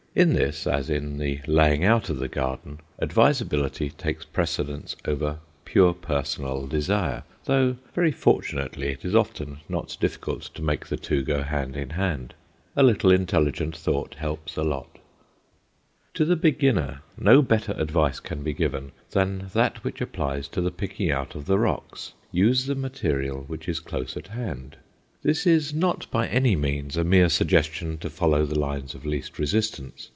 In this, as in the laying out of the garden, advisability takes precedence over pure personal desire, though, very fortunately, it is often not difficult to make the two go hand in hand; a little intelligent thought helps a lot. To the beginner, no better advice can be given than that which applies to the picking out of the rocks use the material which is close at hand. This is not, by any means, a mere suggestion to follow the lines of least resistance.